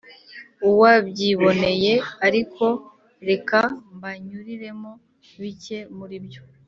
uwabyiboneye, ariko reka mbanyuriremo bike muri byo: